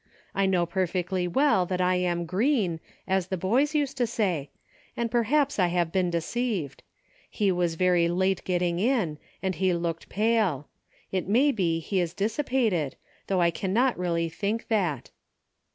I know perfectly well that I am 'green,' as the boys used to say, and perhaps I have been deceived. He was very late getting in and he looked pale. It may be he is dissipated, though I cannot really think that."